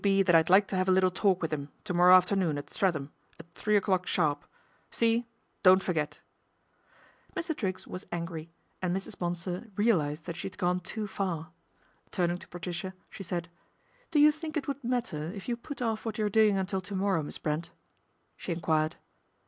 B. that I'd like to 'ave a little talk with 'im to morrow afternoon at Streatham, at; three o'clock sharp. See ? Don't forget !" Mr. Triggs was angry, and Mrs. Bonsor realised that she had gone too far. Turning to Patricia she said :" Do you think it would matter if you put off what you are doing until to morrow, Miss Brent ?" she enquired.